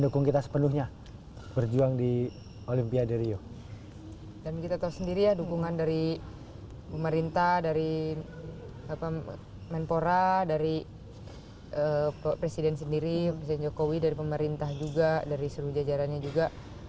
dan kita tahu sendiri ya dukungan dari pemerintah dari menpora dari presiden sendiri presiden jokowi dari pemerintah juga dari seluruh jajarannya juga